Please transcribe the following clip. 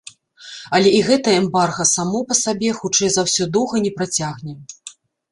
Але і гэтае эмбарга само па сабе, хутчэй за ўсё, доўга не працягне.